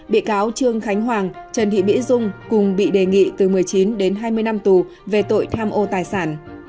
bị cáo trương khánh hoàng trần thị mỹ dung cùng bị đề nghị từ một mươi chín đến hai mươi năm tù về tội tham ô tài sản